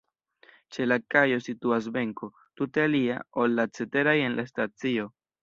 Ĉe la kajo situas benko, tute alia, ol la ceteraj en la stacio.